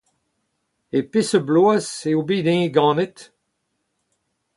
E peseurt bloaz eo bet-eñ ganet ?